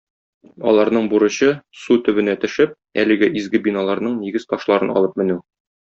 Аларның бурычы - су төбенә төшеп, әлеге изге биналарның нигез ташларын алып менү.